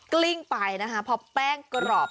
กลิ้งไปนะคะพอแป้งกรอบ